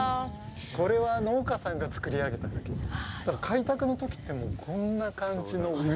これは農家さんがつくり上げた風景です。